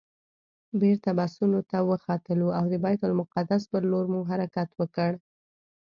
بېرته بسونو ته وختلو او د بیت المقدس پر لور مو حرکت وکړ.